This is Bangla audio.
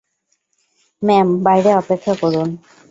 ম্যাম, বাইরে অপেক্ষা করুন।